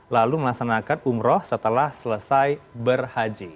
lalu melaksanakan umroh setelah selesai berhaji